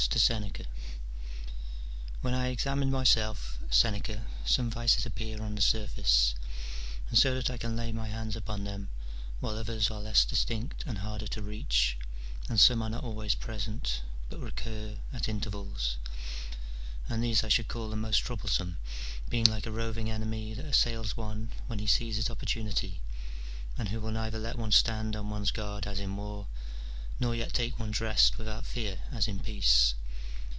^ \1 THEN I examine myself, Seneca, some vices appear ^^ on the snrface, and so that I can lay my hands upon them, while others are less distinct and harder to reach, and some are not always present, but recur at in tervals : and these I should call the most troublesome, being like a roving enemy that assails one when he sees his opportunity, and who will neither let one stand on one's guard as in war, nor yet take one's rest without fear as in peace.